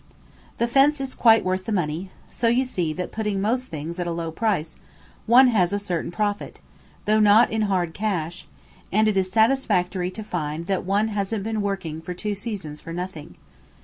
The Fence is quite worth the money; so you see that putting most things at a low price, one has a certain profit, though not in hard cash; and it is satisfactory to find that one hasn't been working for two seasons for nothing.